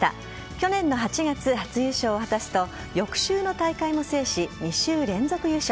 去年の８月、初優勝を果たすと翌週の大会も制し２週連続優勝。